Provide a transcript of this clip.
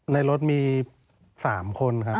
ในรถมี๓คนครับ